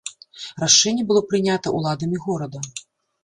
Рашэнне было прынята ўладамі горада.